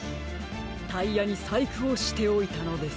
タイヤにさいくをしておいたのです。